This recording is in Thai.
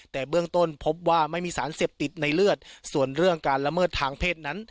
แต่เบื้องต้นพบว่าไม่มีสารเสพติดในเลือดส่วนเรื่องการละเมิดทางเพศนั้น